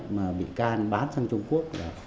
mà bị can bán sang trung quốc